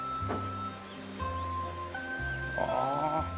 ああ。